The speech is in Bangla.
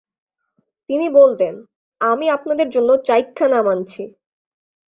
তিনি বলতেন, আমি আপনাদের জন্য চাইখ্যা ‘নাম’ আনছি।